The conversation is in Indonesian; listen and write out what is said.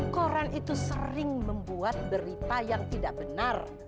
koran itu sering membuat berita yang tidak benar